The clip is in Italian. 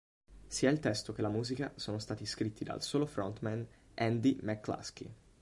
Sia il testo che la musica sono stati scritti dal solo frontman Andy McCluskey.